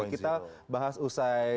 kita bahas usai